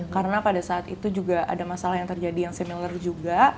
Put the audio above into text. karena pada saat itu juga ada masalah yang terjadi yang similar juga